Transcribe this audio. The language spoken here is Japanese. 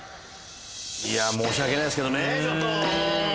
いや申し訳ないですけどねちょっと。